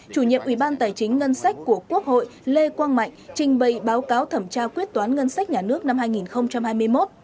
chủ nhiệm ủy ban tài chính ngân sách của quốc hội lê quang mạnh trình bày báo cáo thẩm tra quyết toán ngân sách nhà nước năm hai nghìn hai mươi một